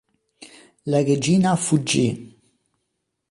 La regina fuggì.